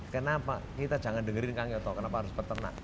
kenapa kita jangan dengerin kang yoto kenapa harus peternak